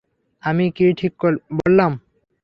আমি কি ঠিক বললাম?